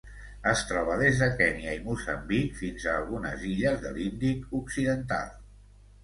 Es troba des de Kenya i Moçambic fins a algunes illes de l'Índic occidental.